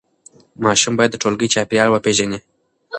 ماشوم باید د ټولګي چاپېریال وپیژني.